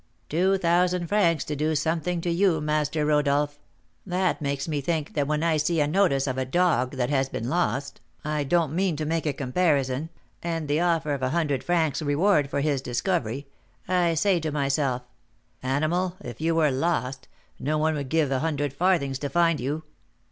"Two thousand francs to do something to you, Master Rodolph; that makes me think that when I see a notice of a dog that has been lost (I don't mean to make a comparison), and the offer of a hundred francs reward for his discovery, I say to myself, 'Animal, if you were lost, no one would give a hundred farthings to find you.'